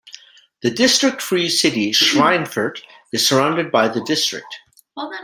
The district-free city Schweinfurt is surrounded by the district.